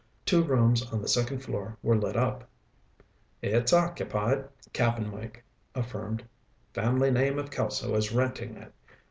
Two rooms on the second floor were lit up. "It's occupied," Cap'n Mike affirmed. "Family name of Kelso is renting it.